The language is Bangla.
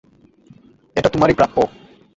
এটা তোমারই প্রাপ্য।